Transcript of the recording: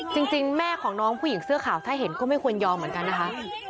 จริงแม่ของน้องผู้หญิงเสื้อขาวถ้าเห็นก็ไม่ควรยอมเหมือนกันนะคะ